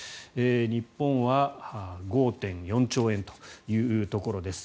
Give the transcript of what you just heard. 日本は５．４兆円というところです。